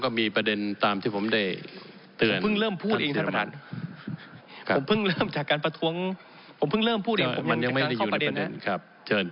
ผมเพิ่งเริ่มพูดเองผมยังไม่ได้อยู่ในประเด็น